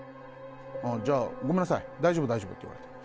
じゃあ、ごめんなさい大丈夫、大丈夫って言われて。